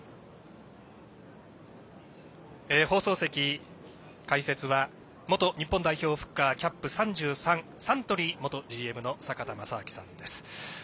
放送席、解説は元日本代表フッカーキャップ３３、サントリーの坂田正彰さんです。